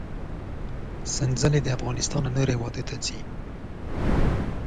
سنځله له افغانستان څخه نورو هېوادونو ته صادرېږي.